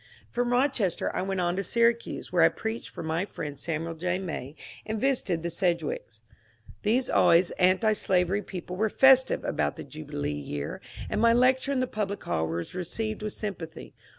From Rochester I went on to Syracuse, where I preached for my friend Samuel J. May, and visited the Sedgwicks. These always antislavery people were festiye about the jubi lee year, and my lecture in the public hall was received with sympathy.